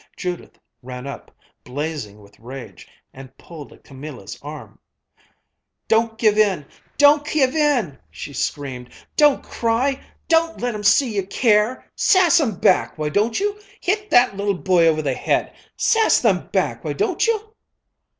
Judith ran up, blazing with rage, and pulled at Camilla's arm. "Don't give in! Don't give in!" she screamed. "Don't cry! Don't let 'em see you care! Sass 'em back, why don't you? Hit that little boy over the head! Sass them back, why don't you?"